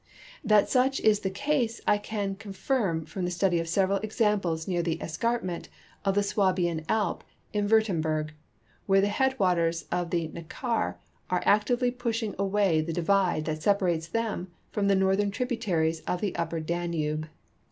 That such is the case I can confirm from the study of several examples near the escarpment of the SAvabian Alp in Wiirtemberg, Avhere the head Avaters of the Xeckar are actively pushing aAvay the divide that separates them from the northern tributaries of the upper Dan ube.